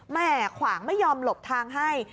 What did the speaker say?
ขวางไม่ยอมหลบทางให้